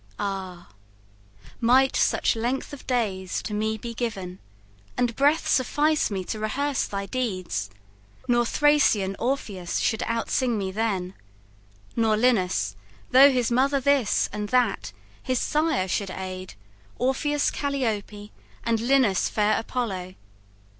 Ah! might such length of days to me be given, And breath suffice me to rehearse thy deeds, Nor Thracian Orpheus should out sing me then, Nor Linus, though his mother this, and that His sire should aid Orpheus Calliope, And Linus fair Apollo.